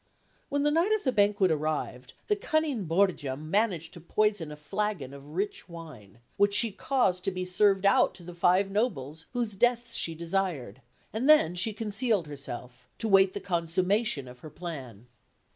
When the night of the banquet arrived, the cunning Borgia managed to poison a flagon of rich wine, which she caused to be served out to the five nobles whose deaths she desired; and then she concealed herself, to await the consummation of her plan.